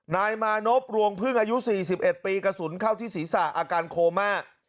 นายมานพรวงพึ่งอายุ๔๑ปีกระสุนเข้าที่ศีรษะอาการโคม่า